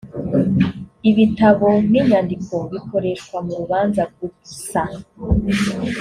ibitabo n inyandiko bikoreshwa murubanza gusa